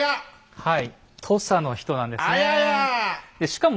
はい。